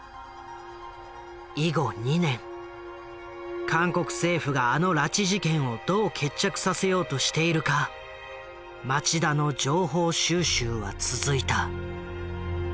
以後２年韓国政府があの拉致事件をどう決着させようとしているか町田の情報収集は続いた。